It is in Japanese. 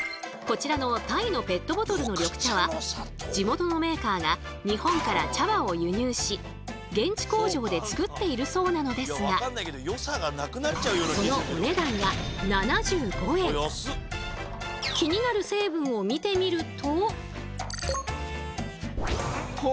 こちらの地元のメーカーが日本から茶葉を輸入し現地工場で作っているそうなのですがそのお値段は気になる成分を見てみると。